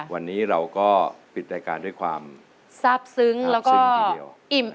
วันนี้เราก็ปิดรายการด้วยความทราบซึ้งแล้วก็ซึ้งทีเดียว